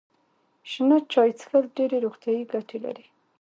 شنه چای څښل ډیرې روغتیايي ګټې لري.